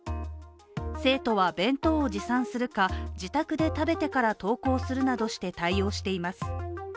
生徒は弁当を持参するか、自宅で食べてから登校するなどして対応しています。